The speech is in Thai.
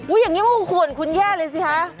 อุ๊ยอย่างนี้ควรควรคุณแย่เลยสิฮะ